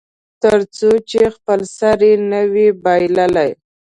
تر څو چې خپل سر یې نه وي بایللی.